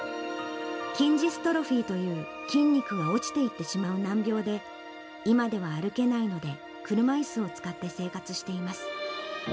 筋ジストロフィーという筋肉が落ちていってしまう難病で、今では歩けないので、車いすを使って生活しています。